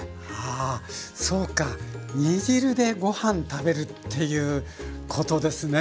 あそうか煮汁でご飯食べるっていうことですね。